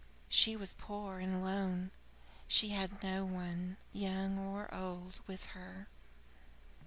She was poor and alone; she had no one, young or old, with her.